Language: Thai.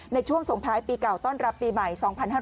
ในช่วงส่งท้ายปีเก่าต้อนรับปีใหม่๒๕๕๙